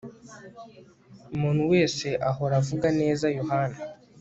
umuntu wese ahora avuga neza yohana